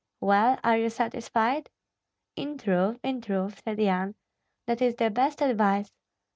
"Well, are you satisfied?" "In truth, in truth," said Yan, "that is the best advice.